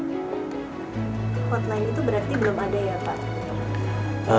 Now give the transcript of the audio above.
untuk hotline itu berarti belum ada ya pak